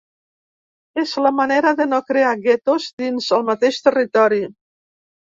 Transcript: És la manera de no crear guetos dins el mateix territori.